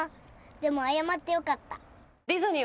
でも謝ってよかった」